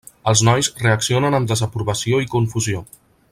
Els nois reaccionen amb desaprovació i confusió.